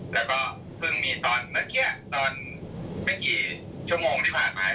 แล้วก็เพิ่งมีตอนเมื่อกี้ตอนไม่กี่ชั่วโมงที่ผ่านมา